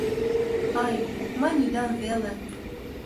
Ай, мый лӱдам веле.